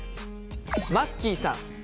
マッキーさん。